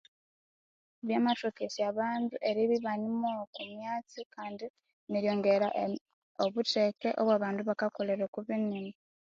Byamathokesya abandu eribya ibanemwowa okwa myatsi, kandi neryongera obutheke obwa bandu bakakolera okwa binimba.